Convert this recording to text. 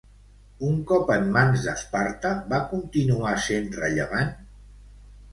Un cop en mans d'Esparta, va continuar sent rellevant?